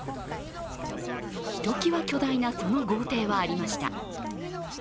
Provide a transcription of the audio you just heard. ひときわ巨大な、その豪邸はありました。